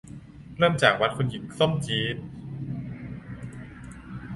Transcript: เริ่มจากวัดคุณหญิงส้มจีน